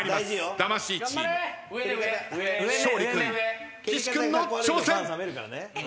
魂チーム勝利君岸君の挑戦。